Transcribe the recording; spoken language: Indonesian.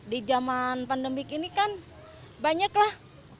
di zaman pandemik ini kan banyak lah